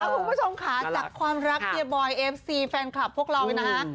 คุณผู้ชมค่ะจากความรักเฮียบอยเอฟซีแฟนคลับพวกเรานะฮะ